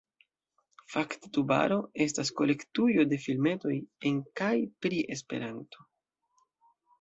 Fakte Tubaro estas kolektujo de filmetoj en kaj pri Esperanto.